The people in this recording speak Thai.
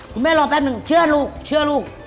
คุณแม่รอแป๊บหนึ่งเชื่อลูก